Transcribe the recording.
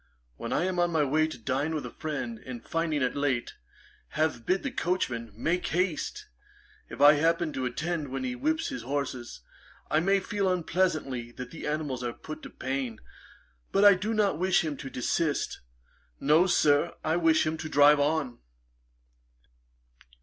When I am on my way to dine with a friend, and finding it late, have bid the coachman make haste, if I happen to attend when he whips his horses, I may feel unpleasantly that the animals are put to pain, but I do not wish him to desist. No, Sir, I wish him to drive on.'